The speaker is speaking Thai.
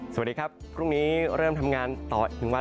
สวัสดีครับพรุ่งนี้เริ่มทำงานต่อ๑วัน